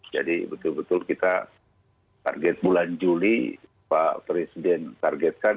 jadi betul betul kita target bulan juli pak presiden targetkan